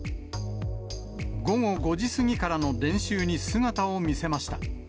午後５時過ぎからの練習に姿を見せました。